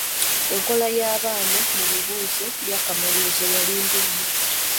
Enkola y'abaana mu bibuuzo by'akamalirizo yali mbi nnyo.